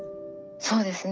そうですね。